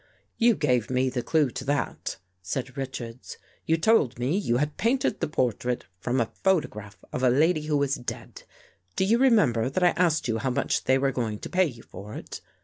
"" You gave me the clew to that," said Richards. " You told me you had painted the portrait from a photograph of a lady who is dead. Do you re member that I asked you how much they.* were going to pay you for it?